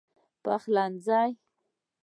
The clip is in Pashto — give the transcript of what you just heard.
پخلنځی